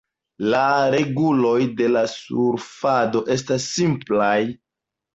La reguloj de la surfado estas simplaj.